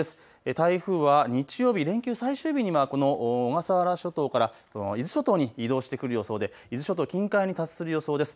台風は日曜日、連休最終日にはこの小笠原諸島から伊豆諸島に移動してくる予想で伊豆諸島近海に達する予想です。